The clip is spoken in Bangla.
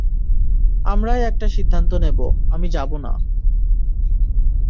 আমরাই একটা সিদ্ধান্ত নিব, আমি যাব না।